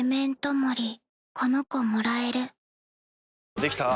できたぁ。